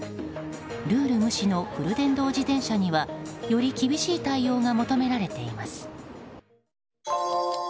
ルール無視のフル電動自転車にはより厳しい対応が求められています。